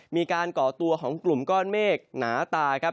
ก่อตัวของกลุ่มก้อนเมฆหนาตาครับ